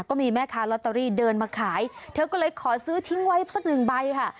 ก็มีแม่ค้าลอตเตอรี่เดินมาขายเธอก็เลยขอซื้อทิ้งไว้สักหนึ่งใบค่ะ